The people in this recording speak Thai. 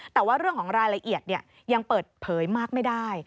แต่ว่าเรื่องของรายละเอียดยังเปิดเผยมากไม่ได้